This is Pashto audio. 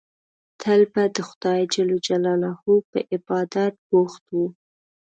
تل به د خدای جل جلاله په عبادت بوخت وو.